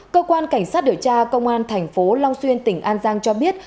cơ quan cảnh sát điều tra công an thành phố long xuyên tỉnh an giang cho biết